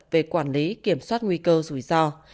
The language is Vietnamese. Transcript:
về quản lý tự nhiên tự nhiên tự nhiên tự nhiên